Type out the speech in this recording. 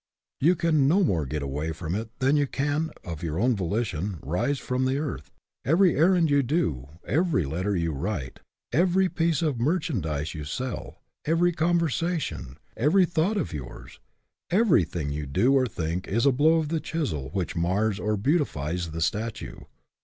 You can no more get away from it than you can, of your own volition, rise from the earth. Every errand you do, every letter you write, every piece of merchandise you sell, every conversation, every thought of yours every thing you do or think is a blow of the chisel which mars or beautifies the statue.